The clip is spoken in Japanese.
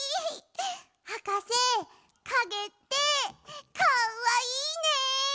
はかせかげってかわいいね！